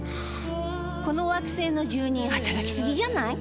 この惑星の住人働きすぎじゃない？